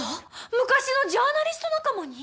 昔のジャーナリスト仲間に？